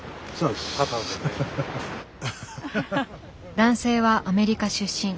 男性はアメリカ出身。